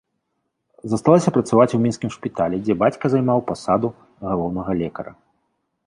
Засталася працаваць у мінскім шпіталі, дзе бацька займаў пасаду галоўнага лекара.